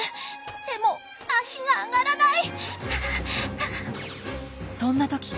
でも足が上がらない！